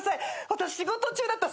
私仕事中だった。